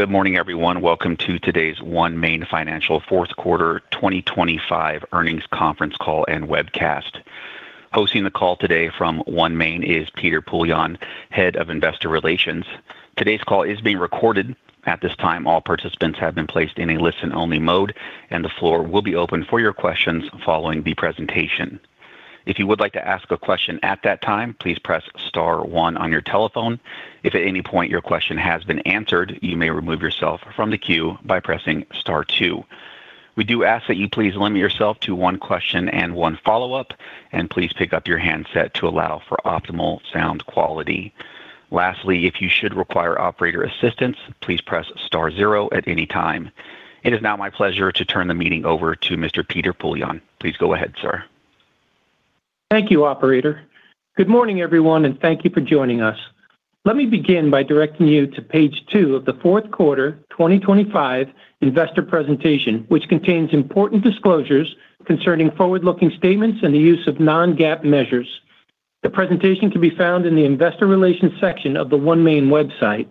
Good morning, everyone. Welcome to today's OneMain Financial fourth quarter 2025 earnings conference call and webcast. Hosting the call today from OneMain is Peter Poillon, Head of Investor Relations. Today's call is being recorded. At this time, all participants have been placed in a listen-only mode, and the floor will be open for your questions following the presentation. If you would like to ask a question at that time, please press star one on your telephone. If at any point your question has been answered, you may remove yourself from the queue by pressing star two. We do ask that you please limit yourself to one question and one follow-up, and please pick up your handset to allow for optimal sound quality. Lastly, if you should require operator assistance, please press star zero at any time. It is now my pleasure to turn the meeting over to Mr. Peter Poillon. Please go ahead, sir. Thank you, operator. Good morning, everyone, and thank you for joining us. Let me begin by directing you to page two of the fourth quarter 2025 investor presentation, which contains important disclosures concerning forward-looking statements and the use of non-GAAP measures. The presentation can be found in the investor relations section of the OneMain website.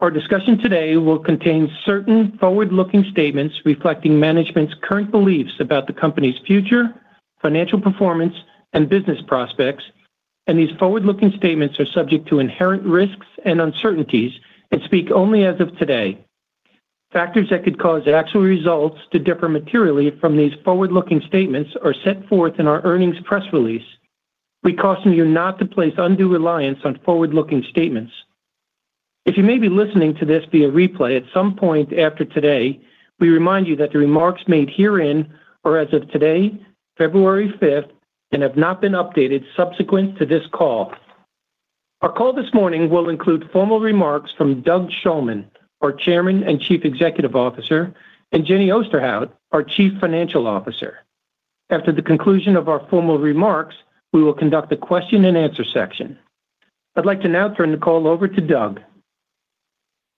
Our discussion today will contain certain forward-looking statements reflecting management's current beliefs about the company's future, financial performance, and business prospects, and these forward-looking statements are subject to inherent risks and uncertainties and speak only as of today. Factors that could cause actual results to differ materially from these forward-looking statements are set forth in our earnings press release. We caution you not to place undue reliance on forward-looking statements. If you may be listening to this via replay at some point after today, we remind you that the remarks made herein are as of today, February 5th, and have not been updated subsequent to this call. Our call this morning will include formal remarks from Doug Shulman, our Chairman and Chief Executive Officer, and Jenny Osterhout, our Chief Financial Officer. After the conclusion of our formal remarks, we will conduct a question and answer section. I'd like to now turn the call over to Doug.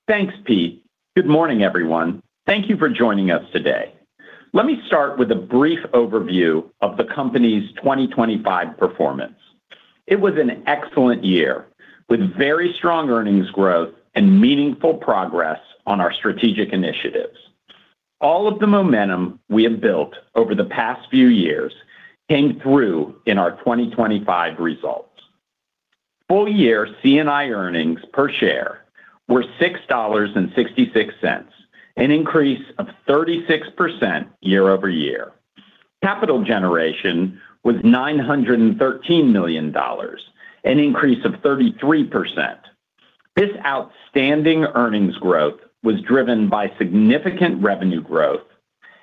Thanks, Pete. Good morning, everyone. Thank you for joining us today. Let me start with a brief overview of the company's 2025 performance. It was an excellent year with very strong earnings growth and meaningful progress on our strategic initiatives. All of the momentum we have built over the past few years came through in our 2025 results. Full-year C&I earnings per share were $6.66, an increase of 36% year-over-year. Capital generation was $913 million, an increase of 33%. This outstanding earnings growth was driven by significant revenue growth,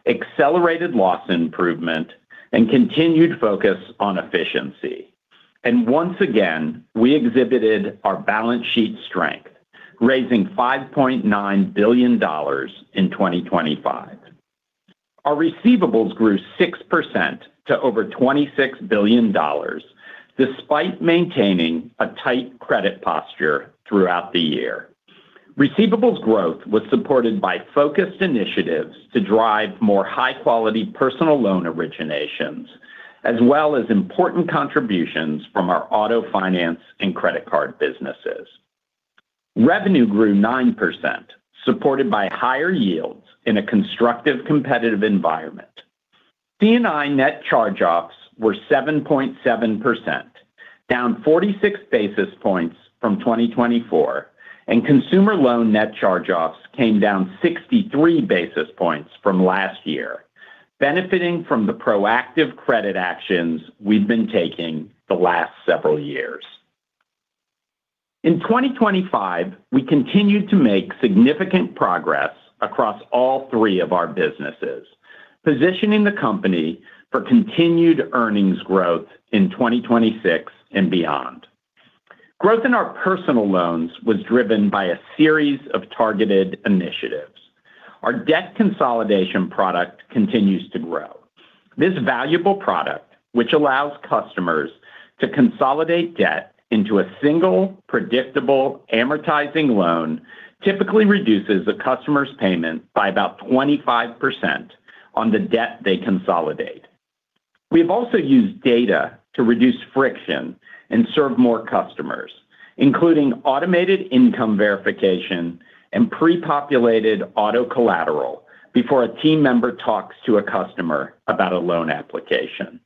accelerated loss improvement, and continued focus on efficiency. Once again, we exhibited our balance sheet strength, raising $5.9 billion in 2025. Our receivables grew 6% to over $26 billion despite maintaining a tight credit posture throughout the year. Receivables growth was supported by focused initiatives to drive more high-quality personal loan originations, as well as important contributions from our auto finance and credit card businesses. Revenue grew 9%, supported by higher yields in a constructive competitive environment. C&I net charge-offs were 7.7%, down 46 basis points from 2024, and consumer loan net charge-offs came down 63 basis points from last year, benefiting from the proactive credit actions we've been taking the last several years. In 2025, we continued to make significant progress across all three of our businesses, positioning the company for continued earnings growth in 2026 and beyond. Growth in our personal loans was driven by a series of targeted initiatives. Our debt consolidation product continues to grow. This valuable product, which allows customers to consolidate debt into a single, predictable amortizing loan, typically reduces a customer's payment by about 25% on the debt they consolidate. We have also used data to reduce friction and serve more customers, including automated income verification and pre-populated auto collateral before a team member talks to a customer about a loan application.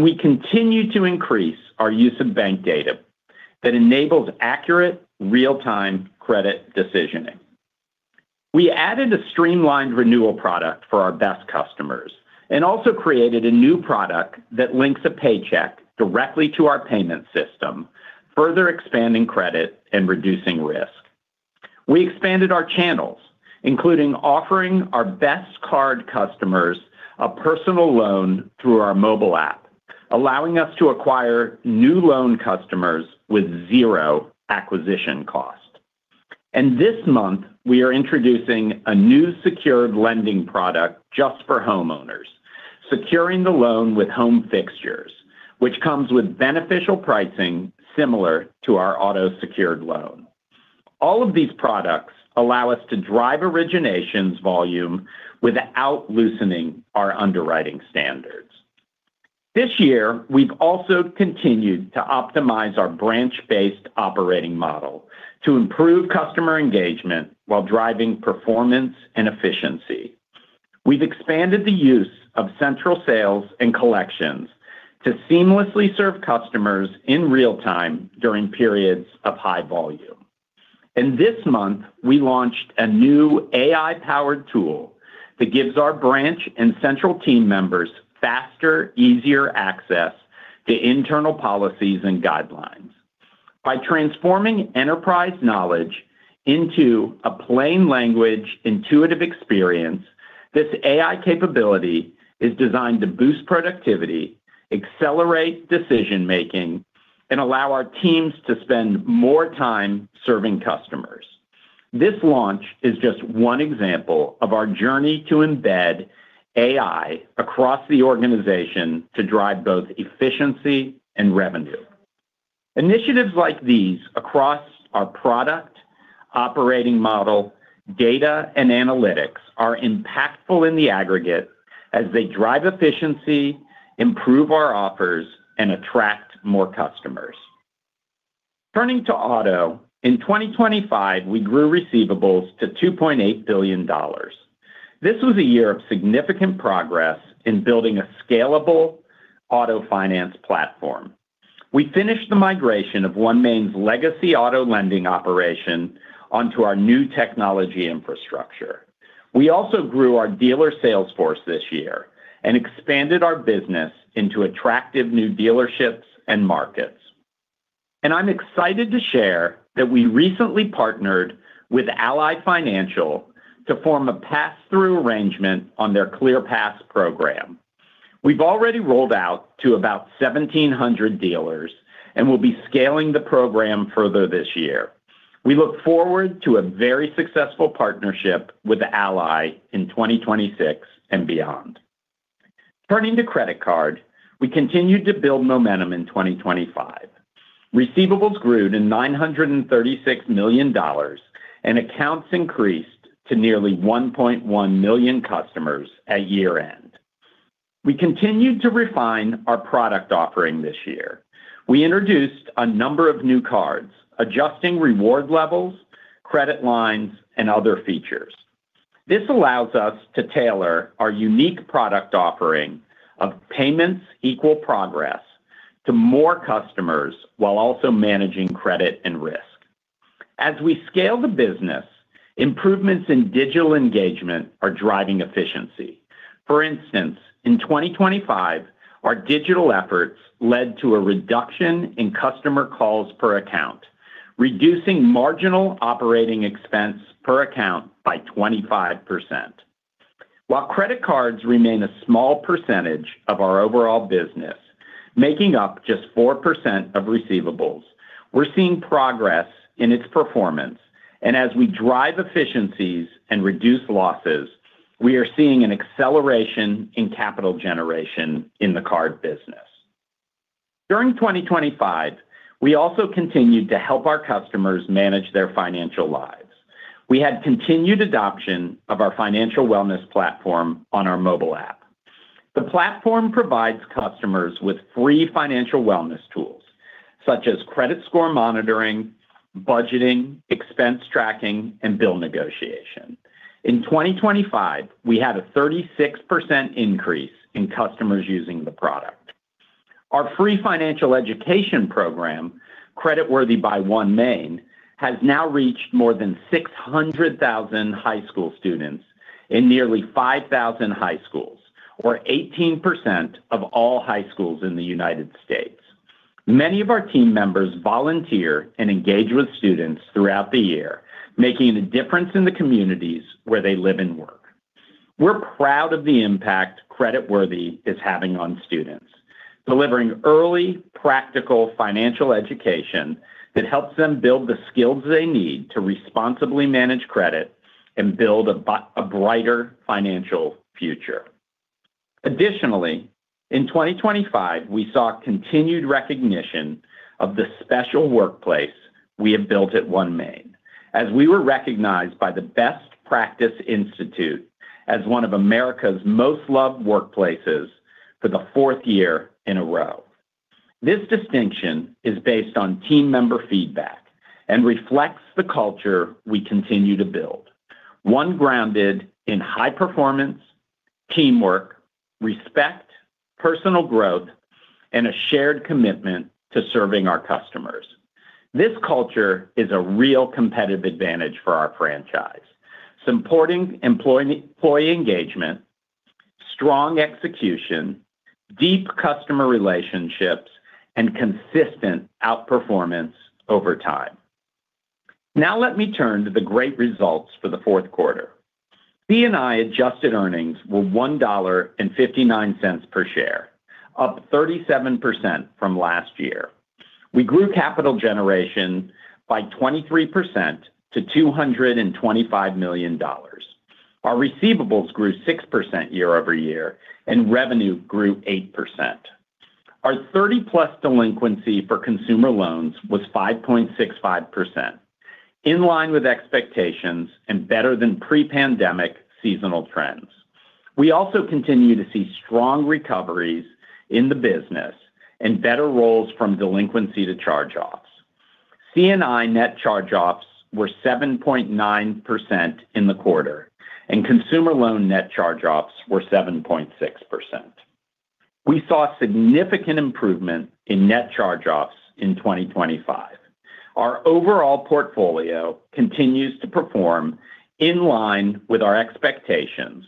We continue to increase our use of bank data that enables accurate, real-time credit decisioning. We added a streamlined renewal product for our best customers and also created a new product that links a paycheck directly to our payment system, further expanding credit and reducing risk. We expanded our channels, including offering our best card customers a personal loan through our mobile app, allowing us to acquire new loan customers with zero acquisition cost. This month, we are introducing a new secured lending product just for homeowners, securing the loan with home fixtures, which comes with beneficial pricing similar to our auto secured loan. All of these products allow us to drive originations volume without loosening our underwriting standards. This year, we've also continued to optimize our branch-based operating model to improve customer engagement while driving performance and efficiency. We've expanded the use of central sales and collections to seamlessly serve customers in real-time during periods of high volume. This month, we launched a new AI-powered tool that gives our branch and central team members faster, easier access to internal policies and guidelines. By transforming enterprise knowledge into a plain-language, intuitive experience, this AI capability is designed to boost productivity, accelerate decision-making, and allow our teams to spend more time serving customers. This launch is just one example of our journey to embed AI across the organization to drive both efficiency and revenue. Initiatives like these across our product, operating model, data, and analytics are impactful in the aggregate as they drive efficiency, improve our offers, and attract more customers. Turning to auto, in 2025, we grew receivables to $2.8 billion. This was a year of significant progress in building a scalable auto finance platform. We finished the migration of OneMain's legacy auto lending operation onto our new technology infrastructure. We also grew our dealer sales force this year and expanded our business into attractive new dealerships and markets. I'm excited to share that we recently partnered with Ally Financial to form a pass-through arrangement on their ClearPass program. We've already rolled out to about 1,700 dealers and will be scaling the program further this year. We look forward to a very successful partnership with Ally in 2026 and beyond. Turning to credit card, we continued to build momentum in 2025. Receivables grew to $936 million and accounts increased to nearly 1.1 million customers at year-end. We continued to refine our product offering this year. We introduced a number of new cards, adjusting reward levels, credit lines, and other features. This allows us to tailor our unique product offering of payments equal progress to more customers while also managing credit and risk. As we scale the business, improvements in digital engagement are driving efficiency. For instance, in 2025, our digital efforts led to a reduction in customer calls per account, reducing marginal operating expense per account by 25%. While credit cards remain a small percentage of our overall business, making up just four% of receivables, we're seeing progress in its performance. As we drive efficiencies and reduce losses, we are seeing an acceleration in capital generation in the card business. During 2025, we also continued to help our customers manage their financial lives. We had continued adoption of our financial wellness platform on our mobile app. The platform provides customers with free financial wellness tools such as credit score monitoring, budgeting, expense tracking, and bill negotiation. In 2025, we had a 36% increase in customers using the product. Our free financial education program, Credit Worthy by OneMain, has now reached more than 600,000 high school students in nearly 5,000 high schools, or 18% of all high schools in the United States. Many of our team members volunteer and engage with students throughout the year, making a difference in the communities where they live and work. We're proud of the impact Credit Worthy is having on students, delivering early, practical financial education that helps them build the skills they need to responsibly manage credit and build a brighter financial future. Additionally, in 2025, we saw continued recognition of the special workplace we have built at OneMain, as we were recognized by the Best Practice Institute as one of America's most loved workplaces for the fourth year in a row. This distinction is based on team member feedback and reflects the culture we continue to build: one grounded in high performance, teamwork, respect, personal growth, and a shared commitment to serving our customers. This culture is a real competitive advantage for our franchise: supporting employee engagement, strong execution, deep customer relationships, and consistent outperformance over time. Now let me turn to the great results for the fourth quarter. C&I adjusted earnings were $1.59 per share, up 37% from last year. We grew capital generation by 23% to $225 million. Our receivables grew 6% year-over-year, and revenue grew 8%. Our 30-plus delinquency for consumer loans was 5.65%, in line with expectations and better than pre-pandemic seasonal trends. We also continue to see strong recoveries in the business and better rolls from delinquency to charge-offs. C&I net charge-offs were 7.9% in the quarter, and consumer loan net charge-offs were 7.6%. We saw significant improvement in net charge-offs in 2025. Our overall portfolio continues to perform in line with our expectations,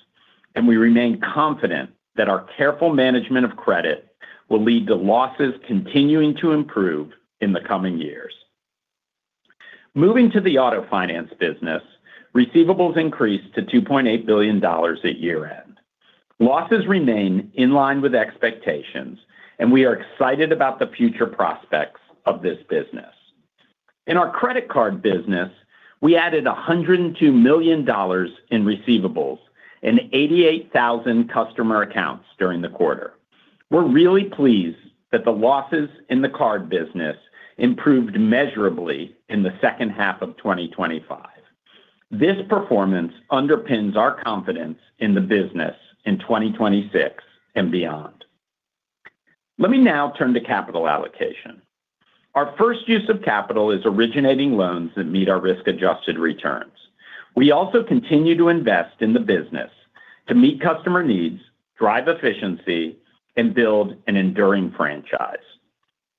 and we remain confident that our careful management of credit will lead to losses continuing to improve in the coming years. Moving to the auto finance business, receivables increased to $2.8 billion at year-end. Losses remain in line with expectations, and we are excited about the future prospects of this business. In our credit card business, we added $102 million in receivables and 88,000 customer accounts during the quarter. We're really pleased that the losses in the card business improved measurably in the second half of 2025. This performance underpins our confidence in the business in 2026 and beyond. Let me now turn to capital allocation. Our first use of capital is originating loans that meet our risk-adjusted returns. We also continue to invest in the business to meet customer needs, drive efficiency, and build an enduring franchise.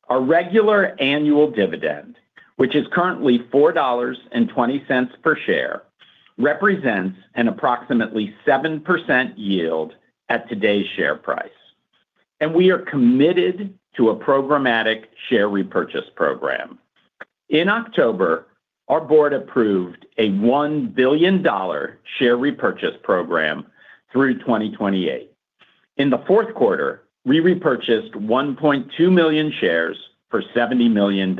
Our regular annual dividend, which is currently $4.20 per share, represents an approximately 7% yield at today's share price. We are committed to a programmatic share repurchase program. In October, our board approved a $1 billion share repurchase program through 2028. In the fourth quarter, we repurchased 1.2 million shares for $70 million.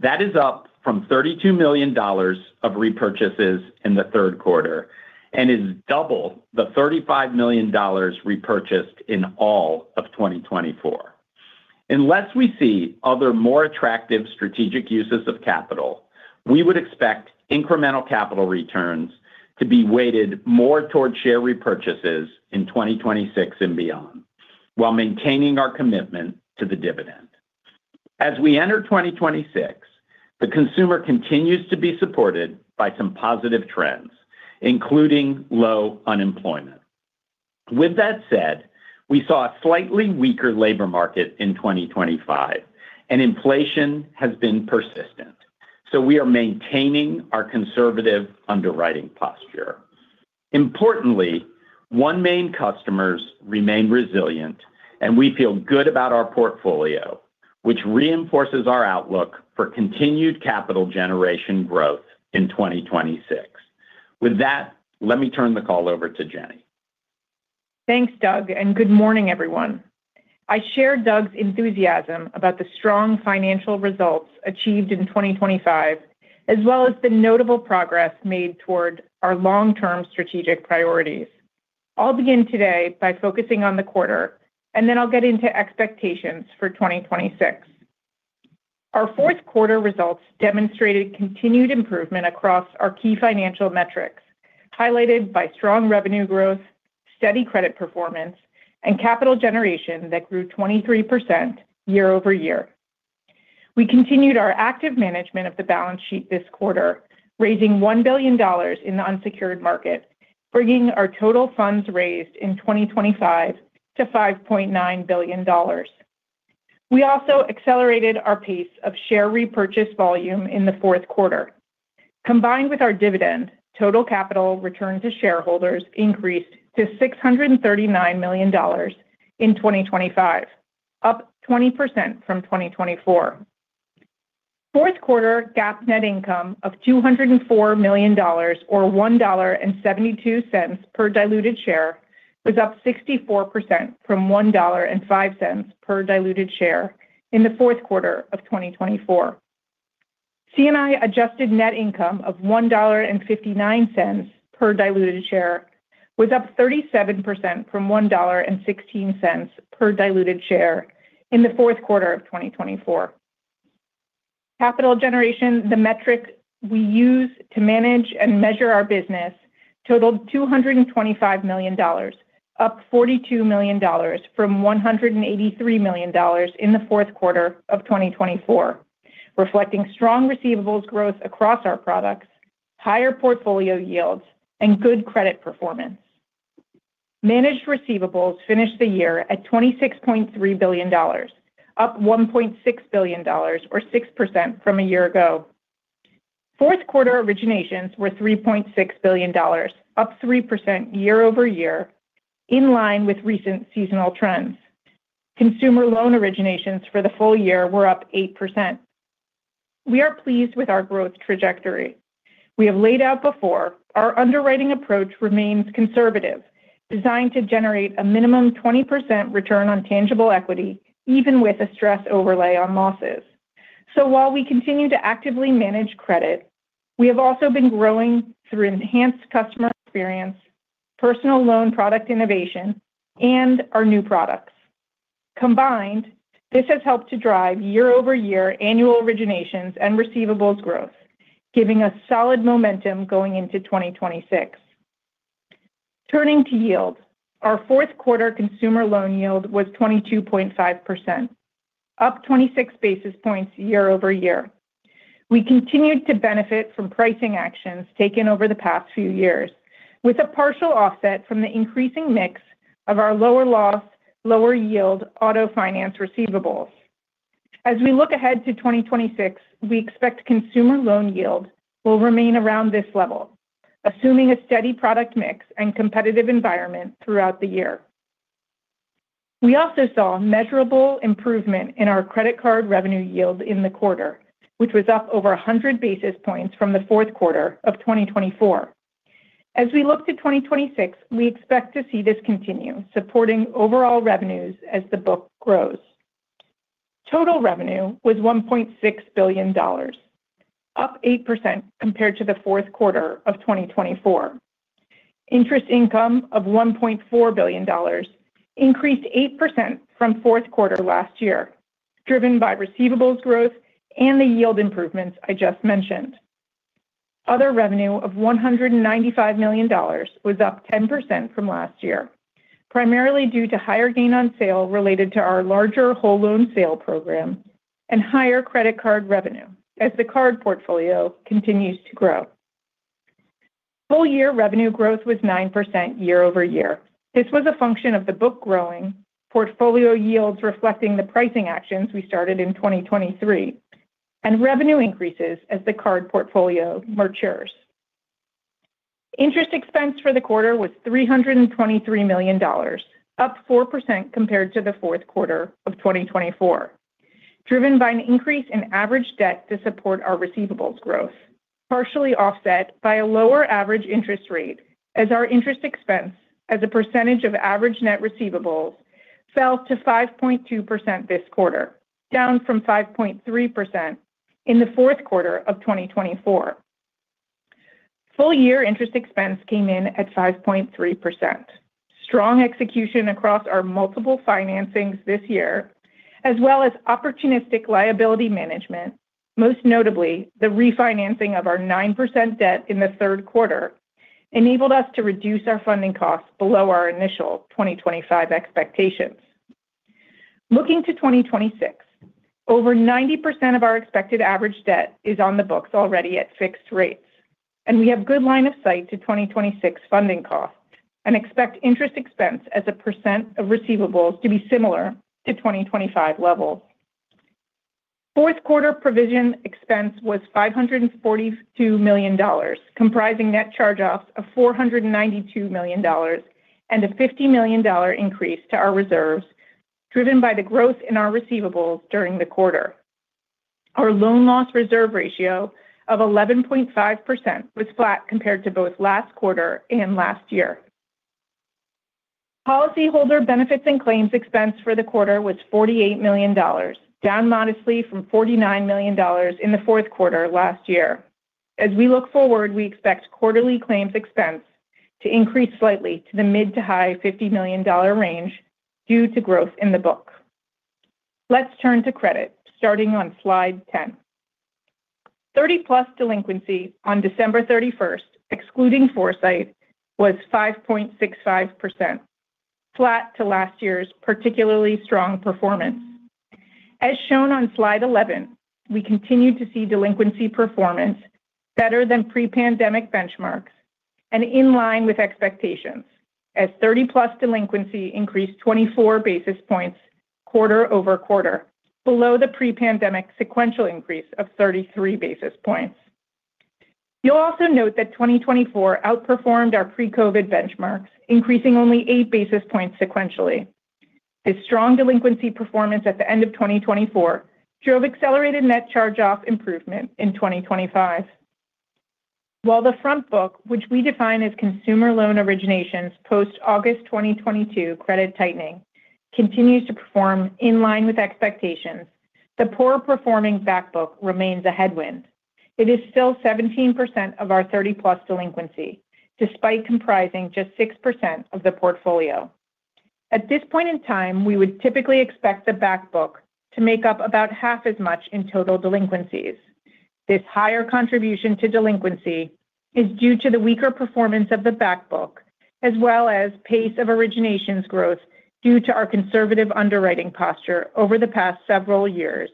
That is up from $32 million of repurchases in the third quarter and is double the $35 million repurchased in all of 2024. Unless we see other, more attractive strategic uses of capital, we would expect incremental capital returns to be weighted more toward share repurchases in 2026 and beyond, while maintaining our commitment to the dividend. As we enter 2026, the consumer continues to be supported by some positive trends, including low unemployment. With that said, we saw a slightly weaker labor market in 2025, and inflation has been persistent. So we are maintaining our conservative underwriting posture. Importantly, OneMain customers remain resilient, and we feel good about our portfolio, which reinforces our outlook for continued capital generation growth in 2026. With that, let me turn the call over to Jenny. Thanks, Doug, and good morning, everyone. I share Doug's enthusiasm about the strong financial results achieved in 2025, as well as the notable progress made toward our long-term strategic priorities. I'll begin today by focusing on the quarter, and then I'll get into expectations for 2026. Our fourth quarter results demonstrated continued improvement across our key financial metrics, highlighted by strong revenue growth, steady credit performance, and capital generation that grew 23% year-over-year. We continued our active management of the balance sheet this quarter, raising $1 billion in the unsecured market, bringing our total funds raised in 2025 to $5.9 billion. We also accelerated our pace of share repurchase volume in the fourth quarter. Combined with our dividend, total capital return to shareholders increased to $639 million in 2025, up 20% from 2024. Fourth quarter GAAP net income of $204 million, or $1.72 per diluted share, was up 64% from $1.05 per diluted share in the fourth quarter of 2024. C&I adjusted net income of $1.59 per diluted share was up 37% from $1.16 per diluted share in the fourth quarter of 2024. Capital generation, the metric we use to manage and measure our business, totaled $225 million, up $42 million from $183 million in the fourth quarter of 2024, reflecting strong receivables growth across our products, higher portfolio yields, and good credit performance. Managed receivables finished the year at $26.3 billion, up $1.6 billion, or 6% from a year ago. Fourth quarter originations were $3.6 billion, up 3% year-over-year, in line with recent seasonal trends. Consumer loan originations for the full year were up 8%. We are pleased with our growth trajectory. We have laid out before, our underwriting approach remains conservative, designed to generate a minimum 20% return on tangible equity, even with a stress overlay on losses. So while we continue to actively manage credit, we have also been growing through enhanced customer experience, personal loan product innovation, and our new products. Combined, this has helped to drive year-over-year annual originations and receivables growth, giving us solid momentum going into 2026. Turning to yield, our fourth quarter consumer loan yield was 22.5%, up 26 basis points year-over-year. We continued to benefit from pricing actions taken over the past few years, with a partial offset from the increasing mix of our lower loss, lower yield auto finance receivables. As we look ahead to 2026, we expect consumer loan yield will remain around this level, assuming a steady product mix and competitive environment throughout the year. We also saw measurable improvement in our credit card revenue yield in the quarter, which was up over 100 basis points from the fourth quarter of 2024. As we look to 2026, we expect to see this continue, supporting overall revenues as the book grows. Total revenue was $1.6 billion, up 8% compared to the fourth quarter of 2024. Interest income of $1.4 billion increased 8% from fourth quarter last year, driven by receivables growth and the yield improvements I just mentioned. Other revenue of $195 million was up 10% from last year, primarily due to higher gain on sale related to our larger whole loan sale program and higher credit card revenue as the card portfolio continues to grow. Full-year revenue growth was 9% year-over-year. This was a function of the book growing, portfolio yields reflecting the pricing actions we started in 2023, and revenue increases as the card portfolio matures. Interest expense for the quarter was $323 million, up 4% compared to the fourth quarter of 2024, driven by an increase in average debt to support our receivables growth, partially offset by a lower average interest rate as our interest expense as a percentage of average net receivables fell to 5.2% this quarter, down from 5.3% in the fourth quarter of 2024. Full-year interest expense came in at 5.3%. Strong execution across our multiple financings this year, as well as opportunistic liability management, most notably the refinancing of our 9% debt in the third quarter, enabled us to reduce our funding costs below our initial 2025 expectations. Looking to 2026, over 90% of our expected average debt is on the books already at fixed rates. We have good line of sight to 2026 funding costs and expect interest expense as a percent of receivables to be similar to 2025 levels. Fourth quarter provision expense was $542 million, comprising net charge-offs of $492 million and a $50 million increase to our reserves, driven by the growth in our receivables during the quarter. Our loan loss reserve ratio of 11.5% was flat compared to both last quarter and last year. Policyholder benefits and claims expense for the quarter was $48 million, down modestly from $49 million in the fourth quarter last year. As we look forward, we expect quarterly claims expense to increase slightly to the mid- to high $50 million range due to growth in the book. Let's turn to credit, starting on slide 10. 30-plus delinquency on December 31st, excluding Foursight, was 5.65%, flat to last year's particularly strong performance. As shown on slide 11, we continue to see delinquency performance better than pre-pandemic benchmarks and in line with expectations as 30-plus delinquency increased 24 basis points quarter over quarter, below the pre-pandemic sequential increase of 33 basis points. You'll also note that 2024 outperformed our pre-COVID benchmarks, increasing only 8 basis points sequentially. This strong delinquency performance at the end of 2024 drove accelerated net charge-off improvement in 2025. While the front book, which we define as consumer loan originations post-August 2022 credit tightening, continues to perform in line with expectations, the poor-performing backbook remains a headwind. It is still 17% of our 30-plus delinquency, despite comprising just 6% of the portfolio. At this point in time, we would typically expect the backbook to make up about half as much in total delinquencies. This higher contribution to delinquency is due to the weaker performance of the backbook, as well as pace of originations growth due to our conservative underwriting posture over the past several years,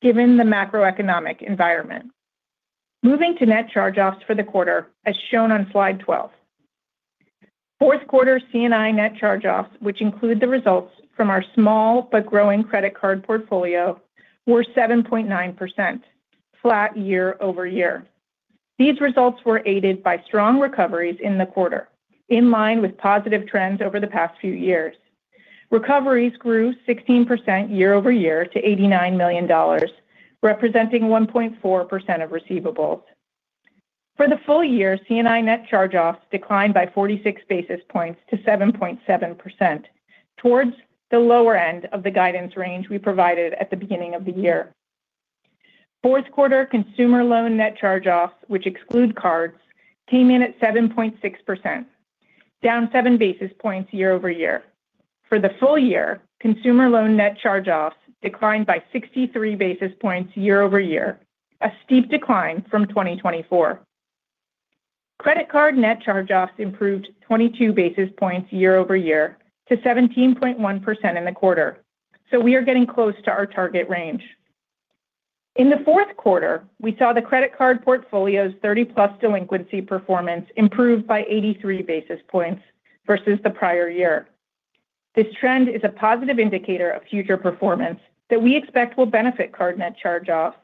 given the macroeconomic environment. Moving to net charge-offs for the quarter, as shown on slide 12. Fourth quarter C&I net charge-offs, which include the results from our small but growing credit card portfolio, were 7.9%, flat year-over-year. These results were aided by strong recoveries in the quarter, in line with positive trends over the past few years. Recoveries grew 16% year-over-year to $89 million, representing 1.4% of receivables. For the full year, C&I net charge-offs declined by 46 basis points to 7.7%, towards the lower end of the guidance range we provided at the beginning of the year. Fourth quarter consumer loan net charge-offs, which exclude cards, came in at 7.6%, down 7 basis points year-over-year. For the full year, consumer loan net charge-offs declined by 63 basis points year-over-year, a steep decline from 2024. Credit card net charge-offs improved 22 basis points year-over-year to 17.1% in the quarter. So we are getting close to our target range. In the fourth quarter, we saw the credit card portfolio's 30-plus delinquency performance improve by 83 basis points versus the prior year. This trend is a positive indicator of future performance that we expect will benefit card net charge-offs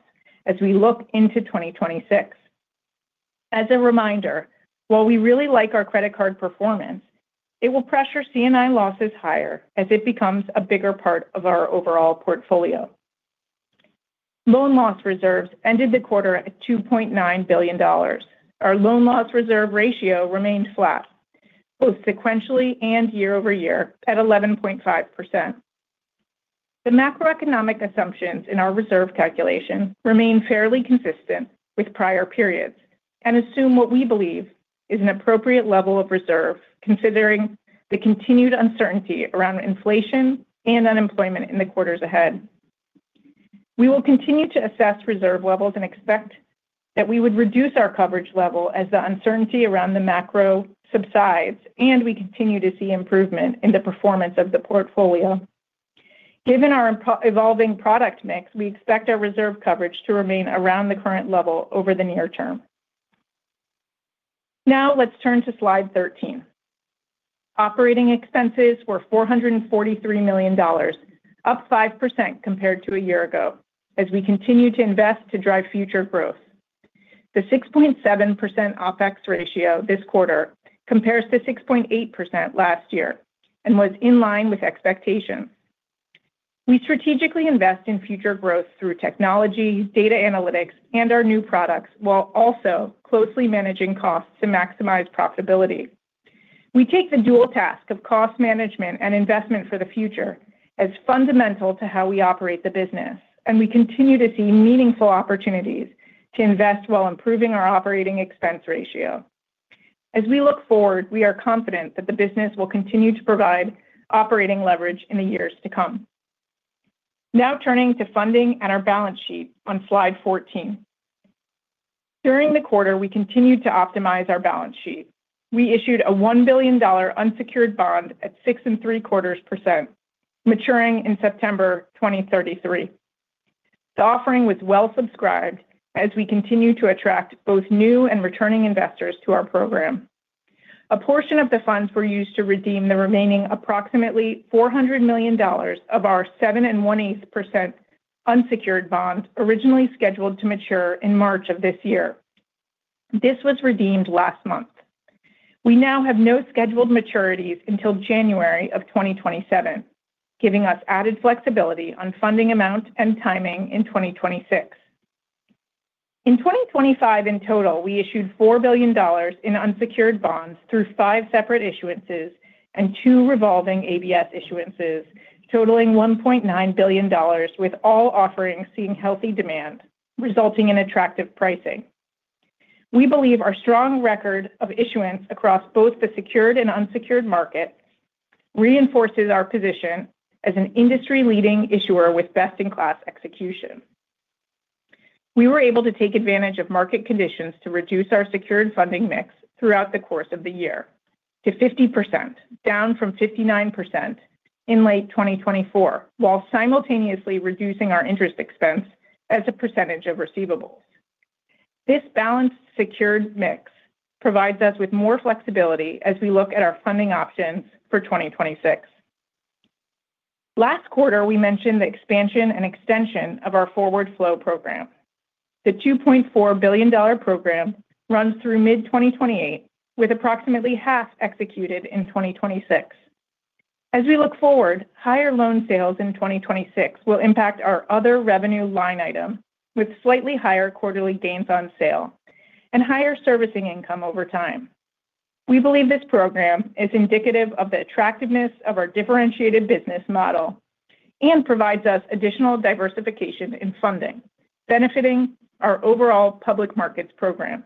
as we look into 2026. As a reminder, while we really like our credit card performance, it will pressure C&I losses higher as it becomes a bigger part of our overall portfolio. Loan loss reserves ended the quarter at $2.9 billion. Our loan loss reserve ratio remained flat, both sequentially and year-over-year at 11.5%. The macroeconomic assumptions in our reserve calculation remain fairly consistent with prior periods and assume what we believe is an appropriate level of reserve, considering the continued uncertainty around inflation and unemployment in the quarters ahead. We will continue to assess reserve levels and expect that we would reduce our coverage level as the uncertainty around the macro subsides, and we continue to see improvement in the performance of the portfolio. Given our evolving product mix, we expect our reserve coverage to remain around the current level over the near term. Now let's turn to slide 13. Operating expenses were $443 million, up 5% compared to a year ago, as we continue to invest to drive future growth. The 6.7% OpEx ratio this quarter compares to 6.8% last year and was in line with expectations. We strategically invest in future growth through technology, data analytics, and our new products, while also closely managing costs to maximize profitability. We take the dual task of cost management and investment for the future as fundamental to how we operate the business, and we continue to see meaningful opportunities to invest while improving our operating expense ratio. As we look forward, we are confident that the business will continue to provide operating leverage in the years to come. Now turning to funding and our balance sheet on slide 14. During the quarter, we continued to optimize our balance sheet. We issued a $1 billion unsecured bond at 6.3%, maturing in September 2033. The offering was well subscribed as we continue to attract both new and returning investors to our program. A portion of the funds were used to redeem the remaining approximately $400 million of our 7.1% unsecured bond originally scheduled to mature in March of this year. This was redeemed last month. We now have no scheduled maturities until January of 2027, giving us added flexibility on funding amount and timing in 2026. In 2025, in total, we issued $4 billion in unsecured bonds through five separate issuances and two revolving ABS issuances, totaling $1.9 billion, with all offerings seeing healthy demand, resulting in attractive pricing. We believe our strong record of issuance across both the secured and unsecured market reinforces our position as an industry-leading issuer with best-in-class execution. We were able to take advantage of market conditions to reduce our secured funding mix throughout the course of the year to 50%, down from 59% in late 2024, while simultaneously reducing our interest expense as a percentage of receivables. This balanced secured mix provides us with more flexibility as we look at our funding options for 2026. Last quarter, we mentioned the expansion and extension of our Forward Flow program. The $2.4 billion program runs through mid-2028, with approximately half executed in 2026. As we look forward, higher loan sales in 2026 will impact our other revenue line item, with slightly higher quarterly gains on sale and higher servicing income over time. We believe this program is indicative of the attractiveness of our differentiated business model and provides us additional diversification in funding, benefiting our overall public markets program.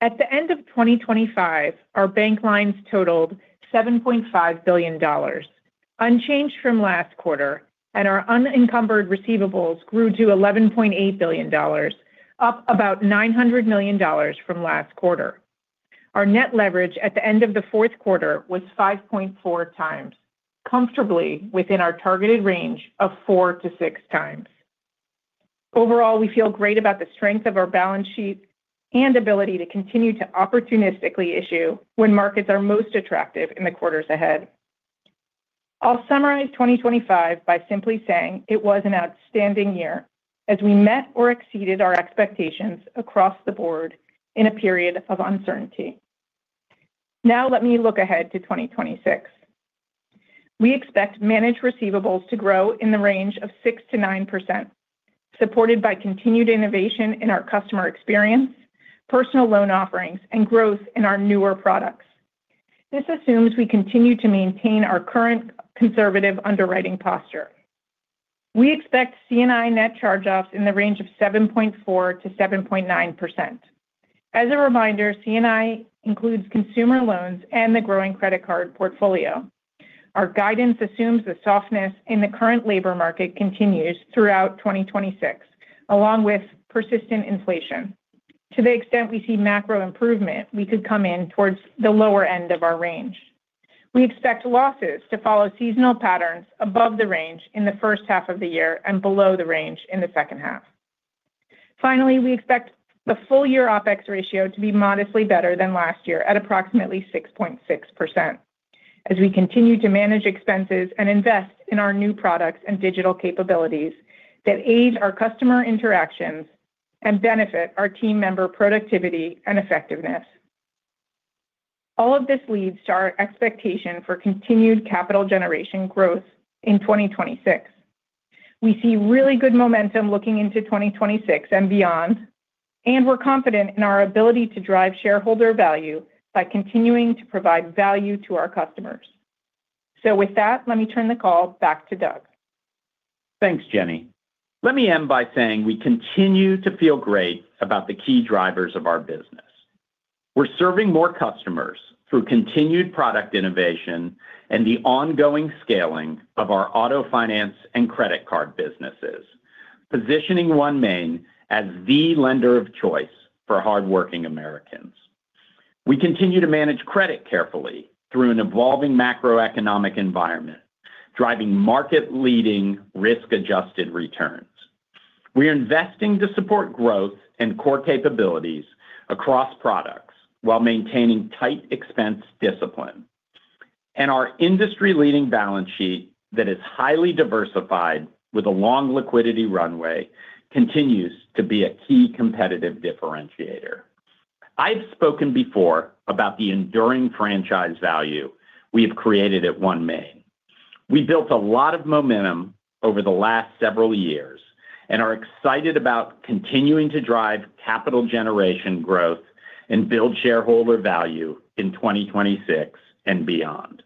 At the end of 2025, our bank lines totaled $7.5 billion, unchanged from last quarter, and our unencumbered receivables grew to $11.8 billion, up about $900 million from last quarter. Our net leverage at the end of the fourth quarter was 5.4 times, comfortably within our targeted range of four-six times. Overall, we feel great about the strength of our balance sheet and ability to continue to opportunistically issue when markets are most attractive in the quarters ahead. I'll summarize 2025 by simply saying it was an outstanding year as we met or exceeded our expectations across the board in a period of uncertainty. Now let me look ahead to 2026. We expect managed receivables to grow in the range of 6%-9%, supported by continued innovation in our customer experience, personal loan offerings, and growth in our newer products. This assumes we continue to maintain our current conservative underwriting posture. We expect C&I net charge-offs in the range of 7.4%-7.9%. As a reminder, C&I includes consumer loans and the growing credit card portfolio. Our guidance assumes the softness in the current labor market continues throughout 2026, along with persistent inflation. To the extent we see macro improvement, we could come in towards the lower end of our range. We expect losses to follow seasonal patterns above the range in the first half of the year and below the range in the second half. Finally, we expect the full-year OpEx ratio to be modestly better than last year at approximately 6.6%, as we continue to manage expenses and invest in our new products and digital capabilities that aid our customer interactions and benefit our team member productivity and effectiveness. All of this leads to our expectation for continued capital generation growth in 2026. We see really good momentum looking into 2026 and beyond, and we're confident in our ability to drive shareholder value by continuing to provide value to our customers. So with that, let me turn the call back to Doug. Thanks, Jenny. Let me end by saying we continue to feel great about the key drivers of our business. We're serving more customers through continued product innovation and the ongoing scaling of our autofinance and credit card businesses, positioning OneMain as the lender of choice for hardworking Americans. We continue to manage credit carefully through an evolving macroeconomic environment, driving market-leading risk-adjusted returns. We are investing to support growth and core capabilities across products while maintaining tight expense discipline. And our industry-leading balance sheet that is highly diversified with a long liquidity runway continues to be a key competitive differentiator. I've spoken before about the enduring franchise value we have created at OneMain. We built a lot of momentum over the last several years and are excited about continuing to drive capital generation growth and build shareholder value in 2026 and beyond.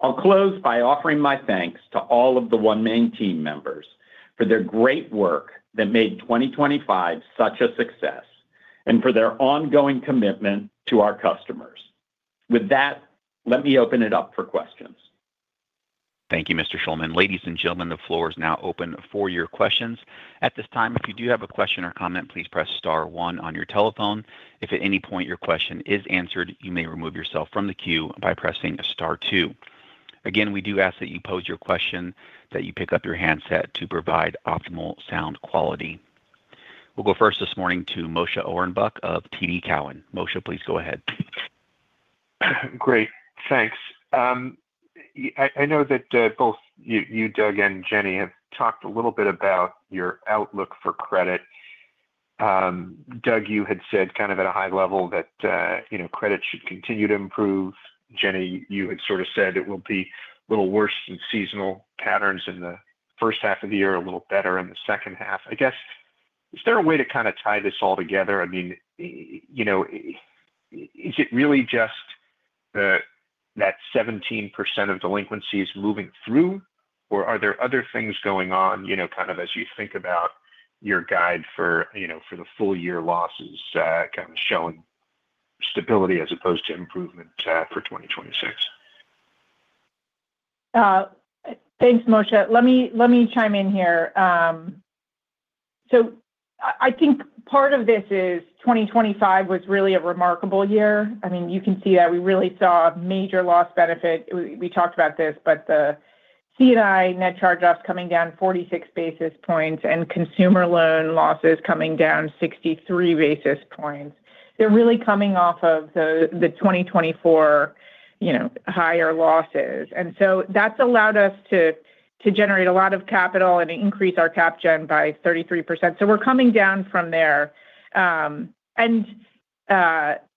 I'll close by offering my thanks to all of the OneMain team members for their great work that made 2025 such a success and for their ongoing commitment to our customers. With that, let me open it up for questions. Thank you, Mr. Shulman. Ladies and gentlemen, the floor is now open for your questions. At this time, if you do have a question or comment, please press star one on your telephone. If at any point your question is answered, you may remove yourself from the queue by pressing star two. Again, we do ask that you pose your question, that you pick up your handset to provide optimal sound quality. We'll go first this morning to Moshe Orenbuch of TD Cowen. Moshe, please go ahead. Great. Thanks. I know that both you, Doug, and Jenny have talked a little bit about your outlook for credit. Doug, you had said kind of at a high level that credit should continue to improve. Jenny, you had sort of said it will be a little worse in seasonal patterns in the first half of the year, a little better in the second half. I guess, is there a way to kind of tie this all together? I mean, is it really just that 17% of delinquencies moving through, or are there other things going on kind of as you think about your guide for the full-year losses kind of showing stability as opposed to improvement for 2026? Thanks, Moshe. Let me chime in here. So I think part of this is 2025 was really a remarkable year. I mean, you can see that we really saw major loss benefit. We talked about this, but the C&I net charge-offs coming down 46 basis points and consumer loan losses coming down 63 basis points. They're really coming off of the 2024 higher losses. And so that's allowed us to generate a lot of capital and increase our cap gen by 33%. So we're coming down from there. And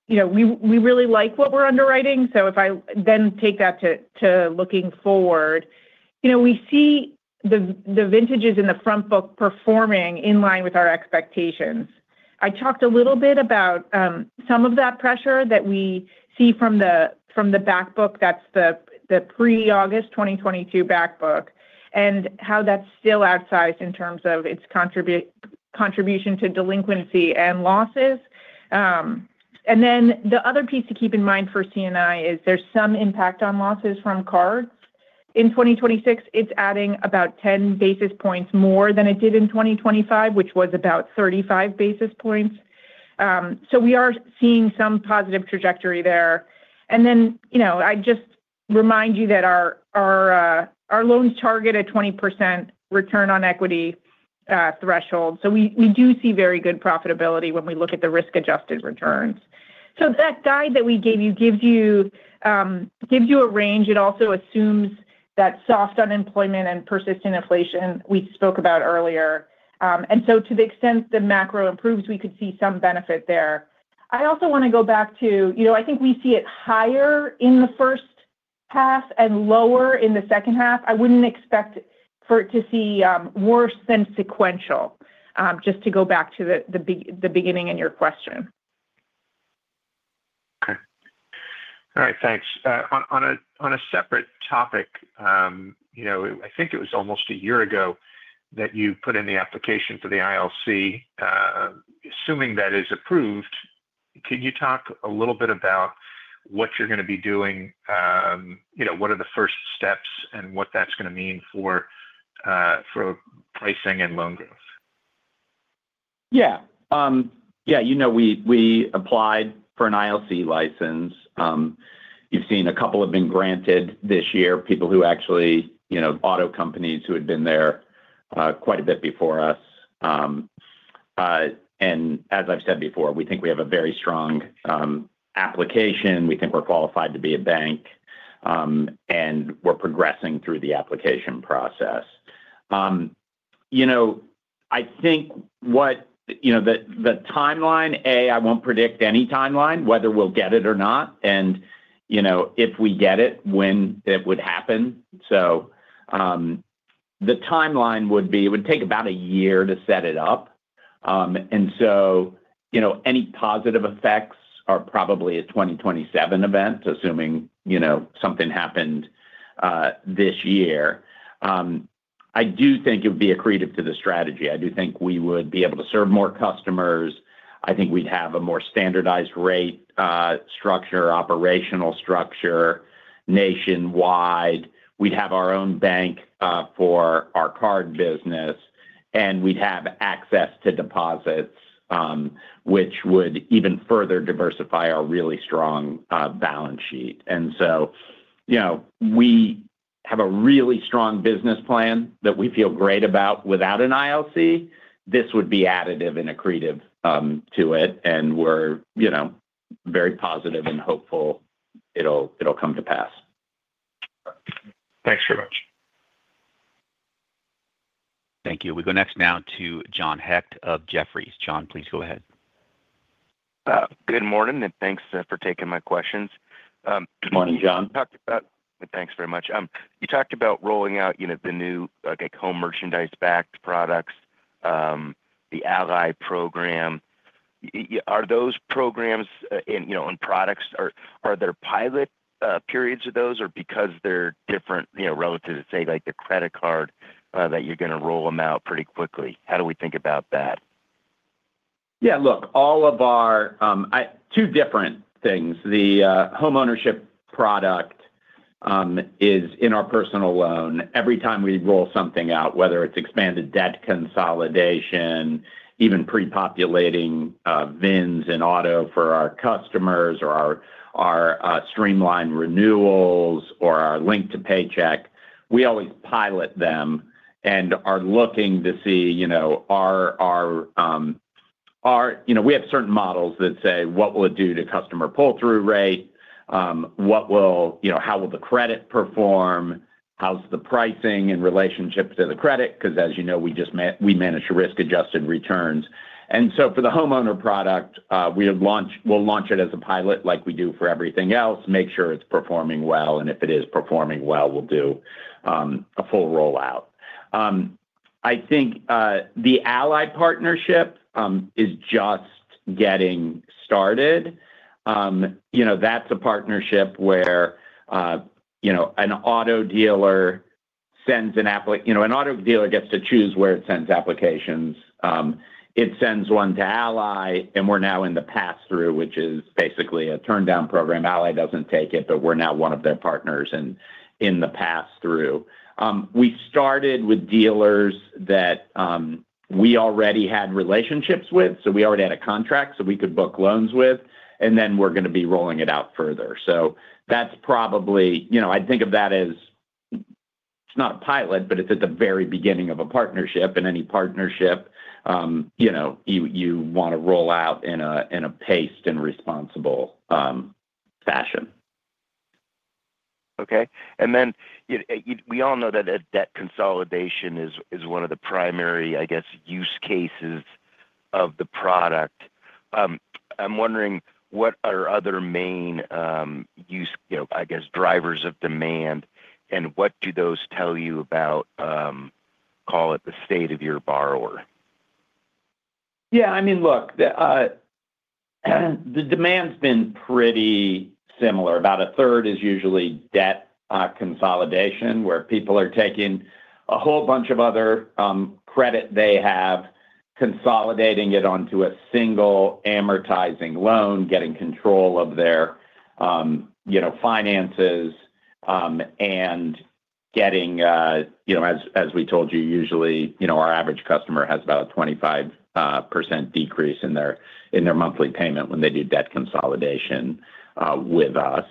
we really like what we're underwriting. So if I then take that to looking forward, we see the vintages in the front book performing in line with our expectations. I talked a little bit about some of that pressure that we see from the backbook. That's the pre-August 2022 backbook and how that's still outsized in terms of its contribution to delinquency and losses. Then the other piece to keep in mind for CNI is there's some impact on losses from cards. In 2026, it's adding about 10 basis points more than it did in 2025, which was about 35 basis points. So we are seeing some positive trajectory there. Then I'd just remind you that our loans target a 20% return on equity threshold. So we do see very good profitability when we look at the risk-adjusted returns. So that guide that we gave you gives you a range. It also assumes that soft unemployment and persistent inflation we spoke about earlier. So to the extent the macro improves, we could see some benefit there. I also want to go back to I think we see it higher in the first half and lower in the second half. I wouldn't expect for it to see worse than sequential, just to go back to the beginning in your question. Okay. All right. Thanks. On a separate topic, I think it was almost a year ago that you put in the application for the ILC. Assuming that is approved, can you talk a little bit about what you're going to be doing? What are the first steps and what that's going to mean for pricing and loan growth? Yeah. Yeah. We applied for an ILC license. You've seen a couple have been granted this year, people who actually auto companies who had been there quite a bit before us. As I've said before, we think we have a very strong application. We think we're qualified to be a bank, and we're progressing through the application process. I think the timeline, I won't predict any timeline, whether we'll get it or not, and if we get it, when it would happen. The timeline would be it would take about a year to set it up. Any positive effects are probably a 2027 event, assuming something happened this year. I do think it would be accretive to the strategy. I do think we would be able to serve more customers. I think we'd have a more standardized rate structure, operational structure, nationwide. We'd have our own bank for our card business, and we'd have access to deposits, which would even further diversify our really strong balance sheet. And so we have a really strong business plan that we feel great about without an ILC. This would be additive and accretive to it, and we're very positive and hopeful it'll come to pass. Thanks very much. Thank you. We go next now to John Hecht of Jefferies. John, please go ahead. Good morning, and thanks for taking my questions. Good morning, John. Thanks very much. You talked about rolling out the new home merchandise-backed products, the Ally program. Are those programs and products, are there pilot periods of those, or because they're different relative to, say, the credit card that you're going to roll them out pretty quickly? How do we think about that? Yeah. Look, all of our two different things. The homeownership product is in our personal loan. Every time we roll something out, whether it's expanded debt consolidation, even pre-populating VINs in auto for our customers, or our streamlined renewals, or our link to paycheck, we always pilot them and are looking to see how we have certain models that say, "What will it do to customer pull-through rate? How will the credit perform? How's the pricing in relationship to the credit?" Because as you know, we manage risk-adjusted returns. And so for the homeowner product, we'll launch it as a pilot like we do for everything else, make sure it's performing well, and if it is performing well, we'll do a full rollout. I think the Ally partnership is just getting started. That's a partnership where an auto dealer sends. An auto dealer gets to choose where it sends applications. It sends one to Ally, and we're now in the pass-through, which is basically a turndown program. Ally doesn't take it, but we're now one of their partners in the pass-through. We started with dealers that we already had relationships with. So we already had a contract so we could book loans with, and then we're going to be rolling it out further. So that's probably I'd think of that as it's not a pilot, but it's at the very beginning of a partnership. In any partnership, you want to roll out in a paced and responsible fashion. Okay. And then we all know that debt consolidation is one of the primary, I guess, use cases of the product. I'm wondering, what are other main use, I guess, drivers of demand, and what do those tell you about, call it, the state of your borrower? Yeah. I mean, look, the demand's been pretty similar. About a third is usually debt consolidation, where people are taking a whole bunch of other credit they have, consolidating it onto a single amortizing loan, getting control of their finances, and getting as we told you, usually, our average customer has about a 25% decrease in their monthly payment when they do debt consolidation with us.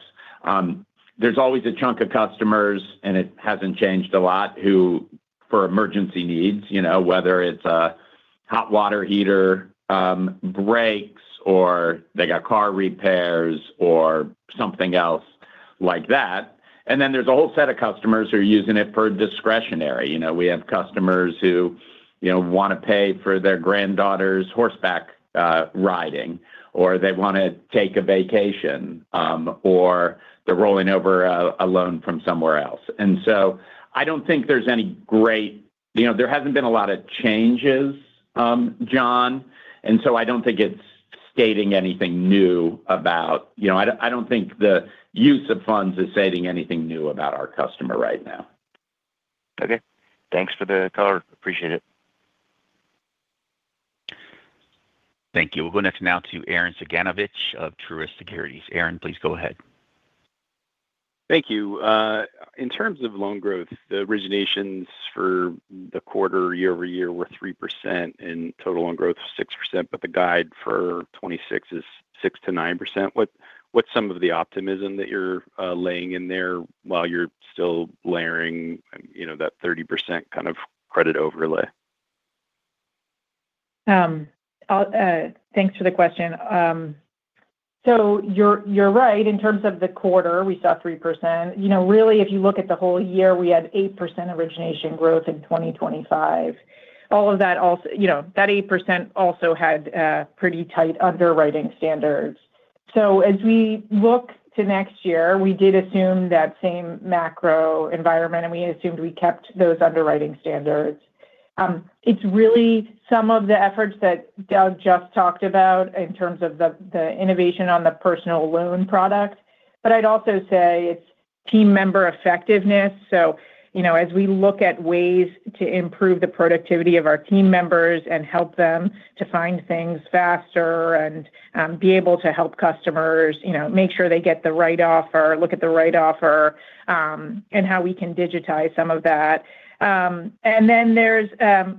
There's always a chunk of customers, and it hasn't changed a lot, who for emergency needs, whether it's a hot water heater breaks or they got car repairs or something else like that. And then there's a whole set of customers who are using it for discretionary. We have customers who want to pay for their granddaughter's horseback riding, or they want to take a vacation, or they're rolling over a loan from somewhere else. So, I don't think there hasn't been a lot of changes, John. So, I don't think the use of funds is stating anything new about our customer right now. Okay. Thanks for the call. Appreciate it. Thank you. We'll go next now to Arren Cyganovich of Truist Securities. Aaron, please go ahead. Thank you. In terms of loan growth, the originations for the quarter, year-over-year, were 3% and total loan growth 6%, but the guide for 2026 is 6%-9%. What's some of the optimism that you're laying in there while you're still layering that 30% kind of credit overlay? Thanks for the question. So you're right. In terms of the quarter, we saw 3%. Really, if you look at the whole year, we had 8% origination growth in 2025. All of that 8% also had pretty tight underwriting standards. So as we look to next year, we did assume that same macro environment, and we assumed we kept those underwriting standards. It's really some of the efforts that Doug just talked about in terms of the innovation on the personal loan product. But I'd also say it's team member effectiveness. So as we look at ways to improve the productivity of our team members and help them to find things faster and be able to help customers, make sure they get the right offer, look at the right offer, and how we can digitize some of that. And then there's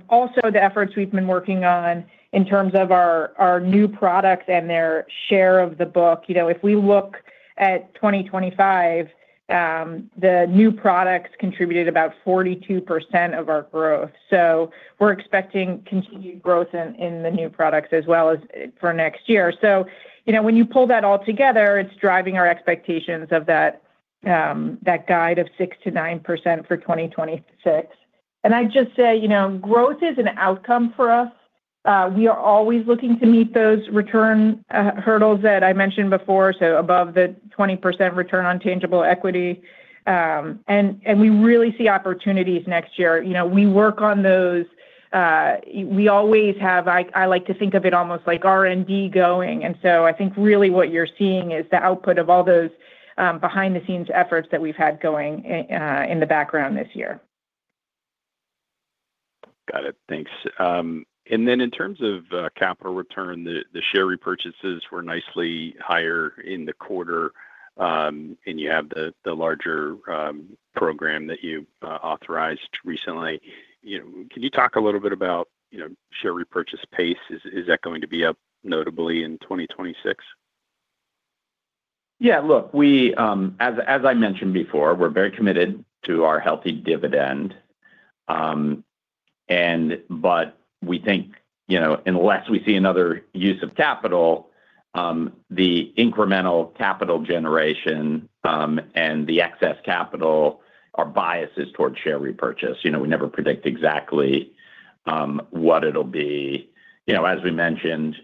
also the efforts we've been working on in terms of our new product and their share of the book. If we look at 2025, the new products contributed about 42% of our growth. So we're expecting continued growth in the new products as well as for next year. So when you pull that all together, it's driving our expectations of that guide of 6%-9% for 2026. And I'd just say growth is an outcome for us. We are always looking to meet those return hurdles that I mentioned before, so above the 20% return on tangible equity. And we really see opportunities next year. We work on those. We always have. I like to think of it almost like R&D going. And so I think really what you're seeing is the output of all those behind-the-scenes efforts that we've had going in the background this year. Got it. Thanks. Then in terms of capital return, the share repurchases were nicely higher in the quarter, and you have the larger program that you authorized recently. Can you talk a little bit about share repurchase pace? Is that going to be up notably in 2026? Yeah. Look, as I mentioned before, we're very committed to our healthy dividend. But we think unless we see another use of capital, the incremental capital generation and the excess capital are biases toward share repurchase. We never predict exactly what it'll be. As we mentioned,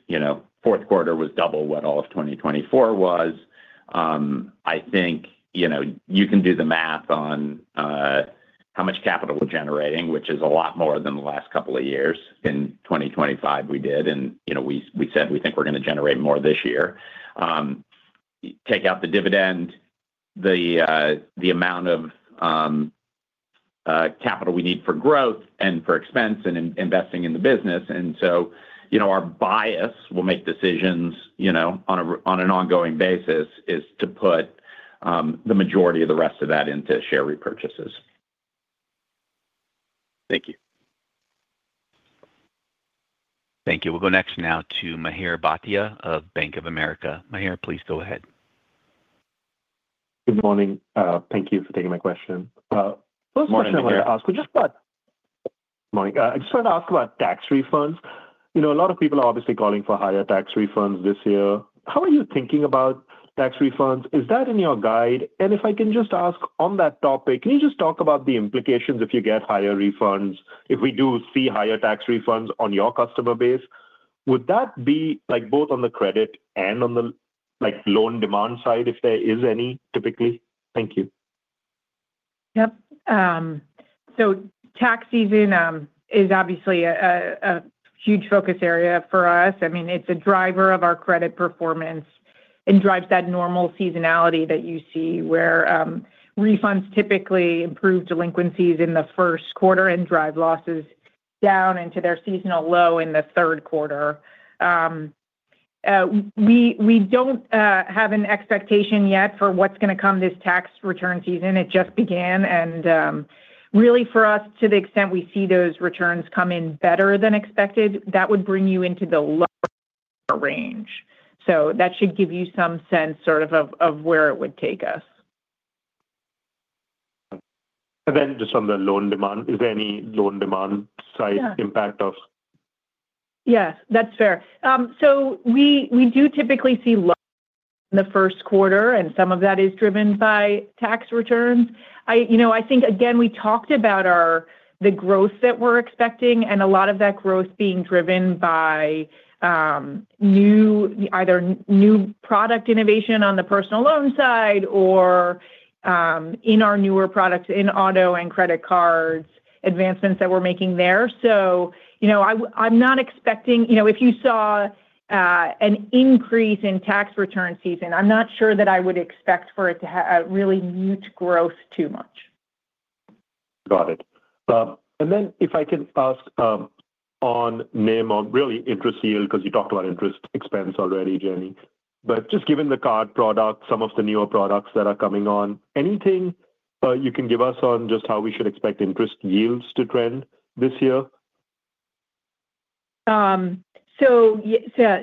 fourth quarter was double what all of 2024 was. I think you can do the math on how much capital we're generating, which is a lot more than the last couple of years in 2025 we did. And we said we think we're going to generate more this year. Take out the dividend, the amount of capital we need for growth and for expense and investing in the business. And so our bias, we'll make decisions on an ongoing basis, is to put the majority of the rest of that into share repurchases. Thank you. Thank you. We'll go next now to Mihir Bhatia of Bank of America. Mihir, please go ahead. Good morning. Thank you for taking my question. First question I wanted to ask was just about. I just wanted to ask about tax refunds. A lot of people are obviously calling for higher tax refunds this year. How are you thinking about tax refunds? Is that in your guide? And if I can just ask on that topic, can you just talk about the implications if you get higher refunds, if we do see higher tax refunds on your customer base, would that be both on the credit and on the loan demand side, if there is any, typically? Thank you. Yep. So tax season is obviously a huge focus area for us. I mean, it's a driver of our credit performance and drives that normal seasonality that you see where refunds typically improve delinquencies in the first quarter and drive losses down into their seasonal low in the third quarter. We don't have an expectation yet for what's going to come this tax return season. It just began. And really, for us, to the extent we see those returns come in better than expected, that would bring you into the lower range. So that should give you some sense sort of of where it would take us. And then just on the loan demand, is there any loan demand-side impact of? Yes. That's fair. So we do typically see low in the first quarter, and some of that is driven by tax returns. I think, again, we talked about the growth that we're expecting and a lot of that growth being driven by either new product innovation on the personal loan side or in our newer products in auto and credit cards, advancements that we're making there. So I'm not expecting if you saw an increase in tax return season, I'm not sure that I would expect for it to really mute growth too much. Got it. And then if I can ask on really interest yield because you talked about interest expense already, Jenny, but just given the card product, some of the newer products that are coming on, anything you can give us on just how we should expect interest yields to trend this year? So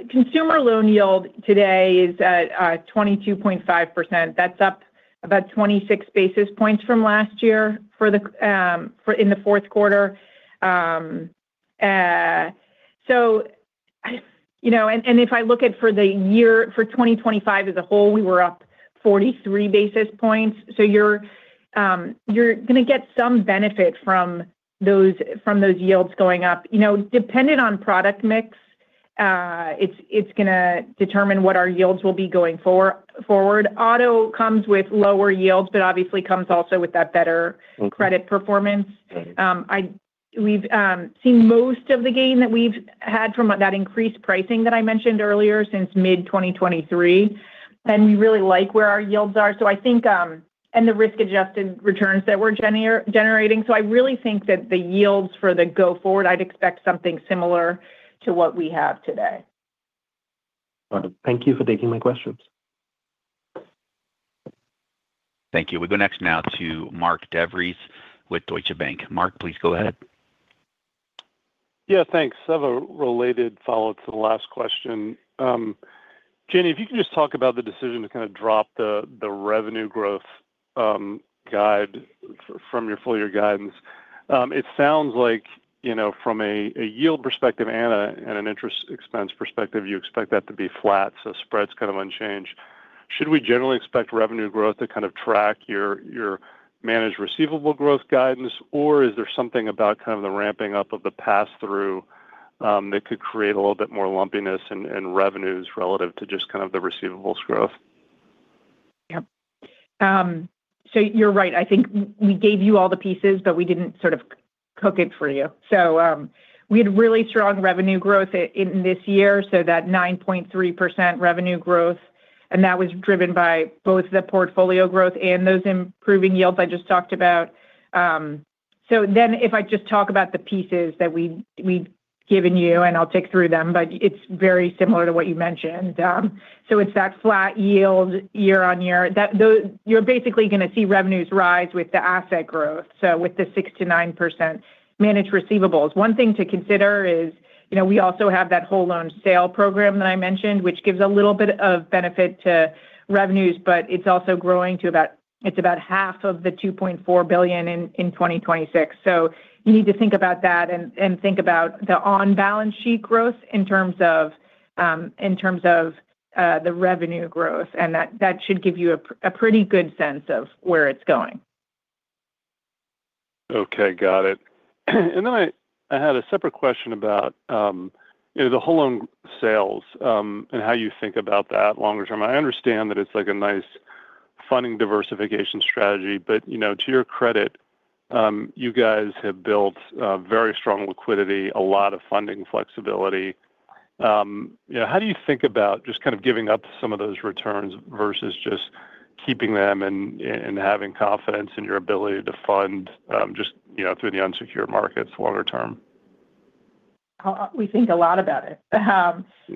consumer loan yield today is at 22.5%. That's up about 26 basis points from last year in the fourth quarter. And if I look at for the year for 2025 as a whole, we were up 43 basis points. So you're going to get some benefit from those yields going up. Dependent on product mix, it's going to determine what our yields will be going forward. Auto comes with lower yields, but obviously comes also with that better credit performance. We've seen most of the gain that we've had from that increased pricing that I mentioned earlier since mid-2023, and we really like where our yields are. And the risk-adjusted returns that we're generating. So I really think that the yields for the go-forward, I'd expect something similar to what we have today. Got it. Thank you for taking my questions. Thank you. We'll go next now to Mark DeVries with Deutsche Bank. Mark, please go ahead. Yeah. Thanks. I have a related follow-up to the last question. Jenny, if you could just talk about the decision to kind of drop the revenue growth guidance from your full-year guidance. It sounds like from a yield perspective and an interest expense perspective, you expect that to be flat, so spreads kind of unchanged. Should we generally expect revenue growth to kind of track your managed receivable growth guidance, or is there something about kind of the ramping up of the pass-through that could create a little bit more lumpiness in revenues relative to just kind of the receivables growth? Yep. So you're right. I think we gave you all the pieces, but we didn't sort of cook it for you. So we had really strong revenue growth in this year, so that 9.3% revenue growth. And that was driven by both the portfolio growth and those improving yields I just talked about. So then if I just talk about the pieces that we've given you, and I'll take through them, but it's very similar to what you mentioned. So it's that flat yield year-on-year. You're basically going to see revenues rise with the asset growth, so with the 6%-9% managed receivables. One thing to consider is we also have that whole loan sale program that I mentioned, which gives a little bit of benefit to revenues, but it's also growing to about it's about half of the $2.4 billion in 2026. You need to think about that and think about the on-balance sheet growth in terms of the revenue growth. That should give you a pretty good sense of where it's going. Okay. Got it. And then I had a separate question about the whole loan sales and how you think about that longer term. I understand that it's a nice funding diversification strategy, but to your credit, you guys have built very strong liquidity, a lot of funding flexibility. How do you think about just kind of giving up some of those returns versus just keeping them and having confidence in your ability to fund just through the unsecured markets longer term? We think a lot about it.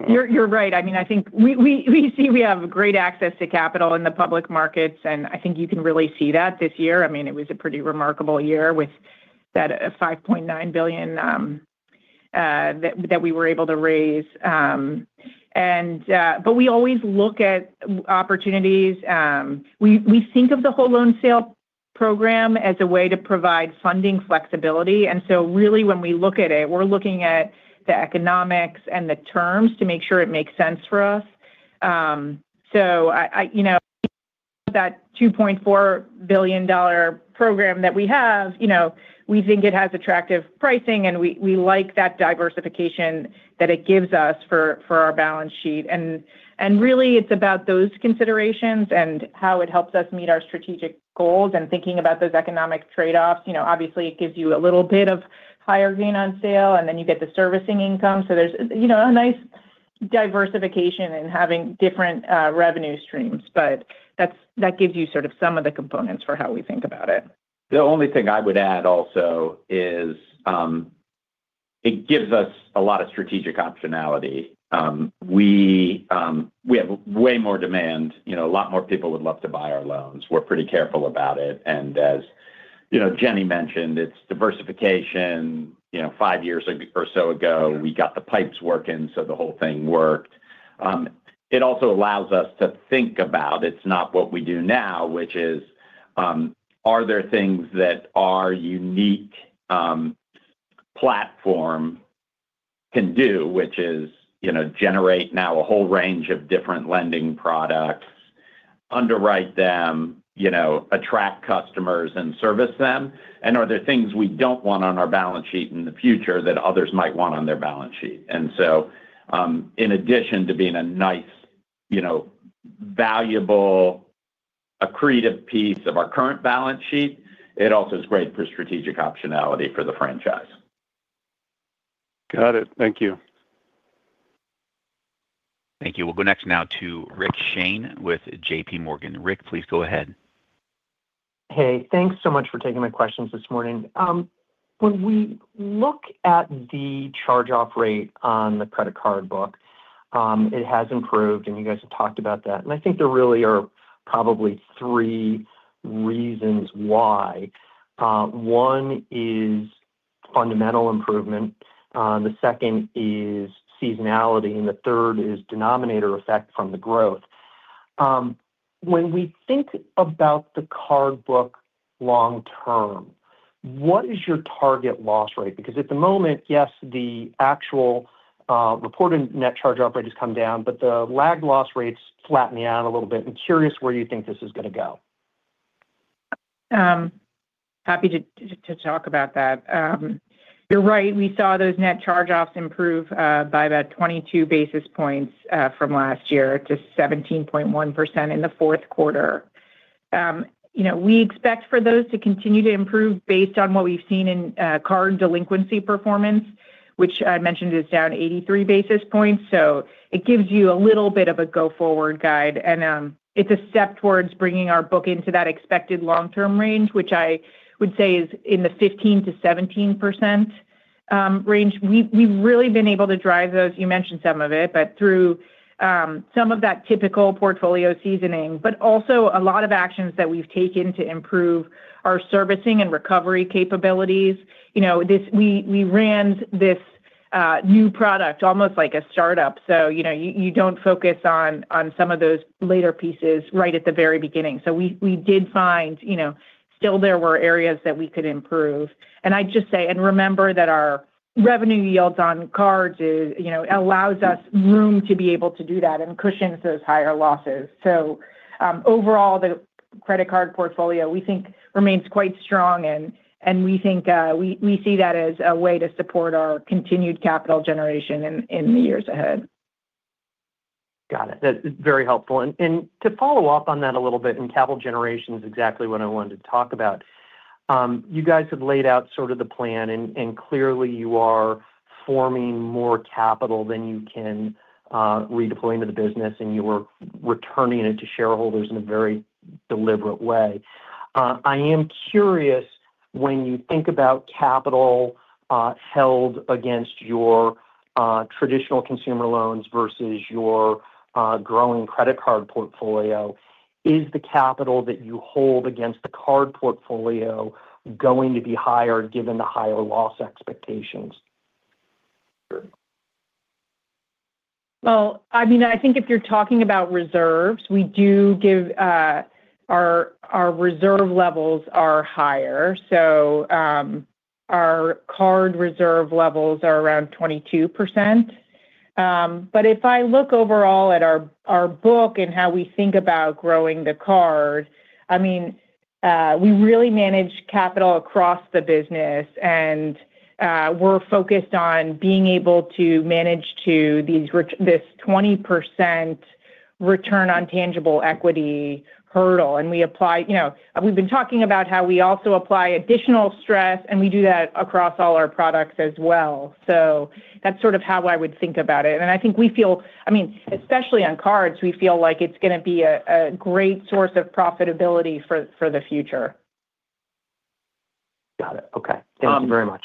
You're right. I mean, I think we see we have great access to capital in the public markets, and I think you can really see that this year. I mean, it was a pretty remarkable year with that $5.9 billion that we were able to raise. But we always look at opportunities. We think of the whole loan sale program as a way to provide funding flexibility. And so really, when we look at it, we're looking at the economics and the terms to make sure it makes sense for us. So that $2.4 billion program that we have, we think it has attractive pricing, and we like that diversification that it gives us for our balance sheet. And really, it's about those considerations and how it helps us meet our strategic goals and thinking about those economic trade-offs. Obviously, it gives you a little bit of higher gain on sale, and then you get the servicing income. So there's a nice diversification in having different revenue streams, but that gives you sort of some of the components for how we think about it. The only thing I would add also is it gives us a lot of strategic optionality. We have way more demand. A lot more people would love to buy our loans. We're pretty careful about it. And as Jenny mentioned, it's diversification. Five years or so ago, we got the pipes working, so the whole thing worked. It also allows us to think about it's not what we do now, which is, are there things that our unique platform can do, which is generate now a whole range of different lending products, underwrite them, attract customers, and service them? And are there things we don't want on our balance sheet in the future that others might want on their balance sheet? And so in addition to being a nice, valuable, accretive piece of our current balance sheet, it also is great for strategic optionality for the franchise. Got it. Thank you. Thank you. We'll go next now to Rick Shane with JPMorgan. Rick, please go ahead. Hey. Thanks so much for taking my questions this morning. When we look at the charge-off rate on the credit card book, it has improved, and you guys have talked about that. And I think there really are probably three reasons why. One is fundamental improvement. The second is seasonality. And the third is denominator effect from the growth. When we think about the card book long term, what is your target loss rate? Because at the moment, yes, the actual reported net charge-off rate has come down, but the lag loss rates flattened out a little bit. I'm curious where you think this is going to go. Happy to talk about that. You're right. We saw those net charge-offs improve by about 22 basis points from last year to 17.1% in the fourth quarter. We expect for those to continue to improve based on what we've seen in card delinquency performance, which I mentioned is down 83 basis points. So it gives you a little bit of a go-forward guide. And it's a step towards bringing our book into that expected long-term range, which I would say is in the 15%-17% range. We've really been able to drive those. You mentioned some of it, but through some of that typical portfolio seasoning, but also a lot of actions that we've taken to improve our servicing and recovery capabilities. We ran this new product almost like a startup. So you don't focus on some of those later pieces right at the very beginning. So we did find, still, there were areas that we could improve. And I'd just say, and remember, that our revenue yields on cards allows us room to be able to do that and cushions those higher losses. So overall, the credit card portfolio, we think, remains quite strong, and we see that as a way to support our continued capital generation in the years ahead. Got it. That's very helpful. And to follow up on that a little bit and capital generation is exactly what I wanted to talk about. You guys have laid out sort of the plan, and clearly, you are forming more capital than you can redeploy into the business, and you are returning it to shareholders in a very deliberate way. I am curious, when you think about capital held against your traditional consumer loans versus your growing credit card portfolio, is the capital that you hold against the card portfolio going to be higher given the higher loss expectations? Sure. Well, I mean, I think if you're talking about reserves, we do give our reserve levels are higher. So our card reserve levels are around 22%. But if I look overall at our book and how we think about growing the card, I mean, we really manage capital across the business, and we're focused on being able to manage this 20% return on tangible equity hurdle. And we apply we've been talking about how we also apply additional stress, and we do that across all our products as well. So that's sort of how I would think about it. And I think we feel I mean, especially on cards, we feel like it's going to be a great source of profitability for the future. Got it. Okay. Thank you very much.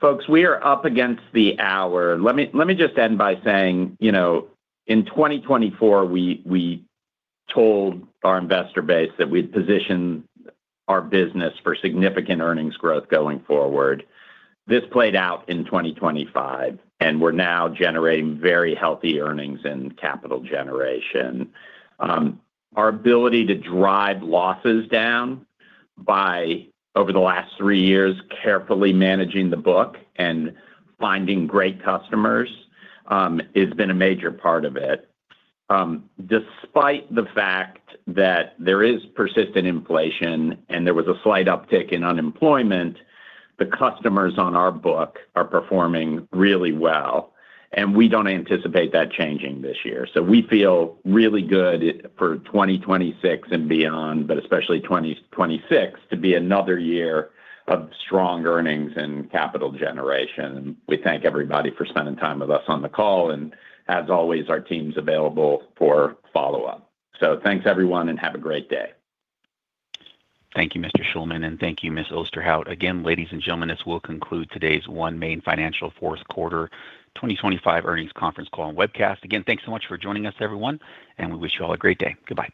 Folks, we are up against the hour. Let me just end by saying, in 2024, we told our investor base that we'd positioned our business for significant earnings growth going forward. This played out in 2025, and we're now generating very healthy earnings in capital generation. Our ability to drive losses down by, over the last three years, carefully managing the book and finding great customers has been a major part of it. Despite the fact that there is persistent inflation and there was a slight uptick in unemployment, the customers on our book are performing really well. We don't anticipate that changing this year. We feel really good for 2026 and beyond, but especially 2026, to be another year of strong earnings and capital generation. We thank everybody for spending time with us on the call and, as always, our team's available for follow-up. Thanks, everyone, and have a great day. Thank you, Mr. Shulman, and thank you, Ms. Osterhout. Again, ladies and gentlemen, this will conclude today's OneMain Financial Fourth Quarter 2025 Earnings Conference Call and webcast. Again, thanks so much for joining us, everyone, and we wish you all a great day. Goodbye.